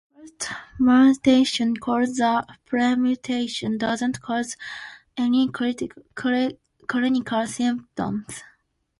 The first mutation, called the 'premutation', doesn't cause any clinical symptoms.